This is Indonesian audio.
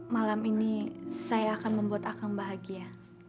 malam ini saya akan membuat akan bahagia